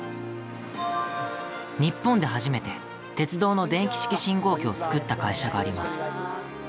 日本で初めて鉄道の電気式信号機を作った会社があります。